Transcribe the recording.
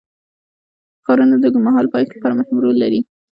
ښارونه د اوږدمهاله پایښت لپاره مهم رول لري.